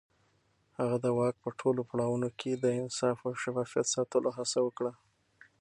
هغه د واک په ټولو پړاوونو کې د انصاف او شفافيت ساتلو هڅه وکړه.